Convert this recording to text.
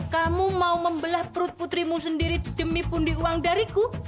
kamu mau membelah perut putrimu sendiri demi pundi uang dariku